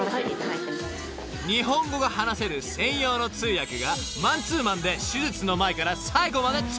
［日本語が話せる専用の通訳がマンツーマンで手術の前から最後までついてくれます］